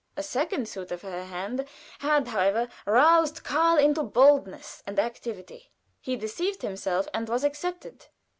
A second suitor for her hand had, however, roused Karl into boldness and activity; he declared himself, and was accepted.